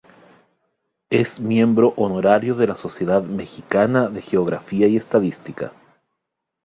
Es miembro honorario de la Sociedad Mexicana de Geografía y Estadística.